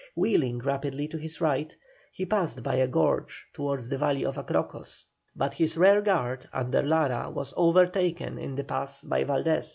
Wheeling rapidly to his right, he passed by a gorge towards the valley of Acrocos, but his rearguard under Lara was overtaken in the pass by Valdés.